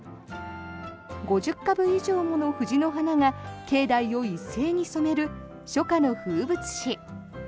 ５０株以上もの藤の花が境内を一斉に染める初夏の風物詩。